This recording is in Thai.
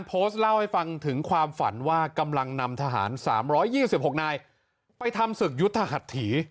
โพสต์เล่าให้ฟังถึงความฝันว่ากำลังนำทหาร๓๒๖นายไปทำศึกยุทธหัสถี